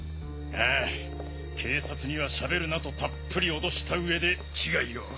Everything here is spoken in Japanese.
ああ警察にはしゃべるなとたっぷり脅した上で危害を。